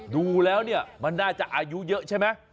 ดูแล้วเนี่ยมันน่าจะอายุเยอะใช่ไหม